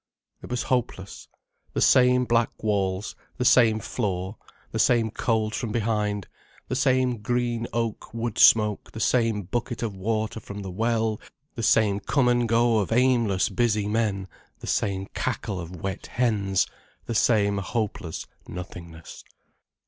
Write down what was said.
It was hopeless. The same black walls, the same floor, the same cold from behind, the same green oak wood smoke, the same bucket of water from the well—the same come and go of aimless busy men, the same cackle of wet hens, the same hopeless nothingness.